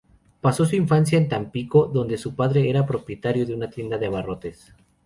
Pasó su infancia en Tampico, donde su padre era propietario de tienda de abarrotes.